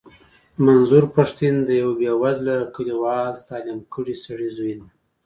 منظور پښتين د يوه بې وزلې کليوال تعليم کړي سړي زوی دی.